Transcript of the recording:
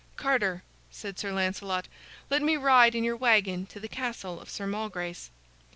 "Carter," said Sir Lancelot, "let me ride in your wagon to the castle of Sir Malgrace."